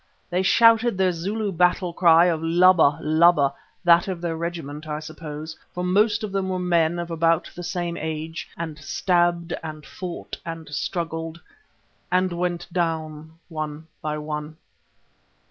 They shouted their Zulu battle cry of Laba! Laba! that of their regiment, I suppose, for most of them were men of about the same age, and stabbed and fought and struggled and went down one by one.